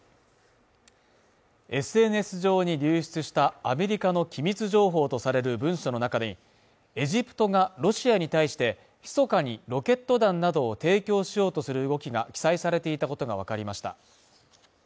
ＳＮＳ上に流出したアメリカの機密情報とされる文書の中で、エジプトがロシアに対して密かにロケット弾などを提供しようとする動きが記載されていたことがわかりました。